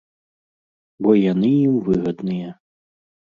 Бо яны ім выгадныя.